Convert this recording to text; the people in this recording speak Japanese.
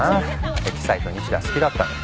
エキサイト西田好きだったのに。